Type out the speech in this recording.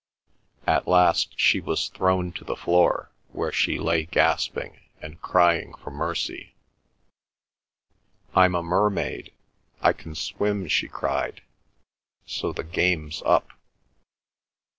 At last she was thrown to the floor, where she lay gasping, and crying for mercy. "I'm a mermaid! I can swim," she cried, "so the game's up."